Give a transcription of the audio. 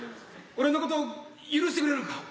俺のこと許してくれるんか？